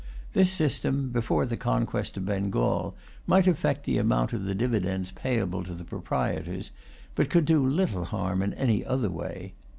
This system, before the conquest of Bengal, might affect the amount of the dividends payable to the proprietors, but could do little harm in any other way.